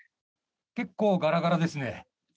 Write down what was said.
結構ガラガラですね。